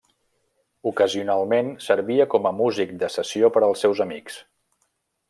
Ocasionalment servia com músic de sessió per als seus amics.